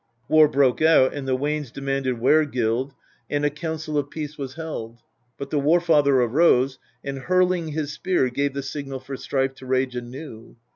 War broke out and the Wanes demanded were gild, and a council of peace was helcl ; but the War father arose, and hurling his spear gave the signal for strife to rage anew.